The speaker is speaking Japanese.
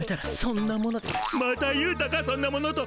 また言うたかそんなものと。